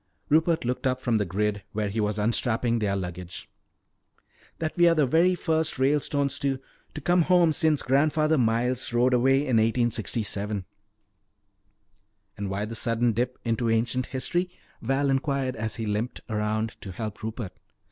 Rupert looked up from the grid where he was unstrapping their luggage. "That we are the very first Ralestones to to come home since Grandfather Miles rode away in 1867." "And why the sudden dip into ancient history?" Val inquired as he limped around to help Rupert.